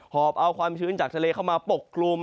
หวับเอาความบินทุนจากทะเลเข้ามาปกกรูม